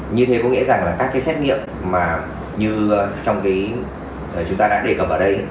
như thế có nghĩa rằng là các xét nghiệm như chúng ta đã đề cập ở đây